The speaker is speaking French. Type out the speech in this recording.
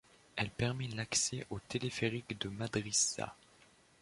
Elle permet l'accès au téléphérique de Madrisa.